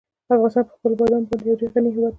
افغانستان په خپلو بادامو باندې یو ډېر غني هېواد دی.